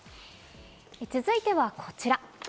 続いてはこちら。